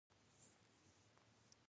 نظري او عملي سیاست یې دواړه کړي.